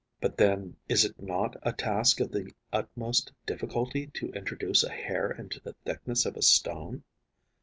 But then is it not a task of the utmost difficulty to introduce a hair into the thickness of a stone?